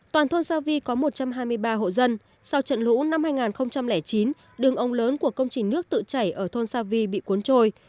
toàn thôn sa vi có một trăm hai mươi ba hộ dân sau trận lũ năm hai nghìn chín đường ống lớn của công trình nước tự chảy ở thôn sa vi bị cuốn trôi